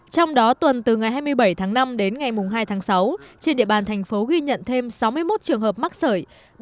trong đó tuần từ ngày hai mươi bảy tháng năm đến ngày hai tháng sáu trên địa bàn thành phố ghi nhận thêm sáu mươi một trường hợp mắc sởi